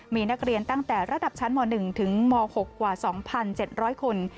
มีนักเรียนตั้งแต่ระดับชั้นม๑ถึงม๖กว่า๒๗๐๐คน